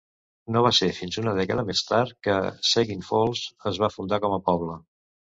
No va ser fins una dècada més tard que Seguin Falls es va fundar com a poble.